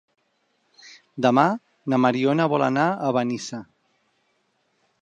Demà na Mariona vol anar a Benissa.